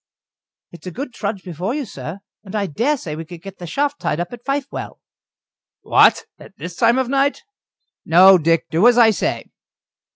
"It's a good trudge before you, sir. And I dare say we could get the shaft tied up at Fifewell." "What at this time of night? No, Dick, do as I say."